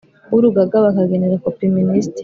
W urugaga bakagenera kopi minisitiri